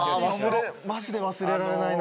マジで忘れられないな。